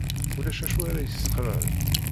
Ulac acu ara yi-sxelɛen.